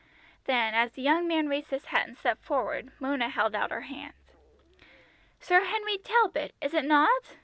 Then as the young man raised his hat and stepped forward, Mona held out her hand. "Sir Henry Talbot, is it not?